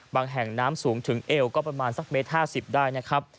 แห่งน้ำสูงถึงเอวก็ประมาณสักเมตร๕๐ได้นะครับ